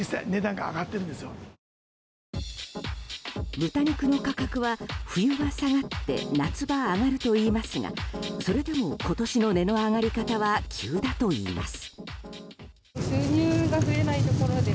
豚肉の価格は冬場下がって夏場上がると言いますがそれでも今年の値の上がり方は急だといいます。